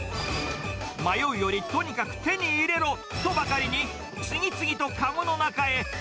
迷うより、とにかく手に入れろとばかりに、次々と籠の中へ。